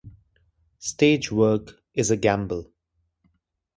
Stage work is a gamble.